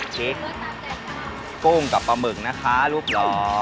ชิดกุ้งกับปลาหมึกนะคะรูปหล่อ